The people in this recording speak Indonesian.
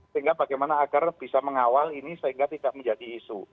sehingga bagaimana agar bisa mengawal ini sehingga tidak menjadi isu